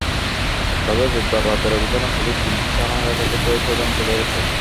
তবে বুধবার রাতের অভিযানে পুলিশ তিনটি থানা এলাকা থেকে ছয়জনকে ধরেছে।